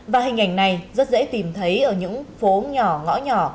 và hình ảnh này rất dễ tìm thấy ở những phố nhỏ ngõ nhỏ